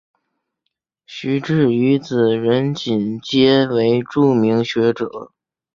徐致愉子仁锦皆为著名学者。